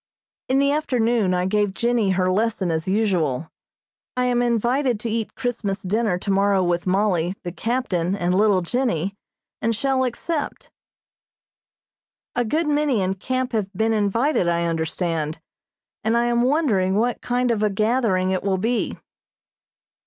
In the afternoon I gave Jennie her lesson as usual. I am invited to eat Christmas dinner tomorrow with Mollie, the captain and little Jennie, and shall accept. A good many in camp have been invited, I understand, and I am wondering what kind of a gathering it will be.